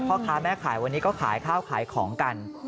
พ่อค้าแม่ขายวันนี้ก็ขายข้าวขายของกัน